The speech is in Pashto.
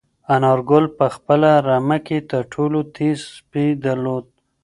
انارګل په خپله رمه کې تر ټولو تېز سپی درلود.